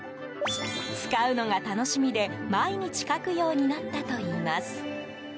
使うのが楽しみで、毎日書くようになったといいます。